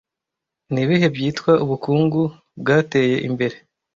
Nibihe byitwa ubukungu bwateye imbere